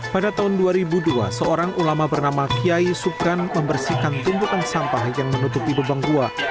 pada tahun dua ribu dua seorang ulama bernama kiai subkan membersihkan tumpukan sampah yang menutupi beban gua